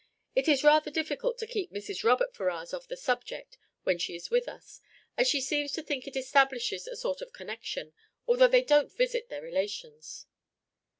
It is rather difficult to keep Mrs. Robert Ferrars off the subject when she is with us, as she seems to think it establishes a sort of connection, although they don't visit their relations."